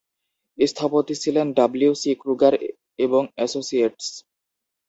স্থপতি ছিলেন W. C. Kruger এবং অ্যাসোসিয়েটস।